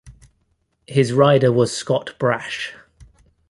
His rider was Scott Brash.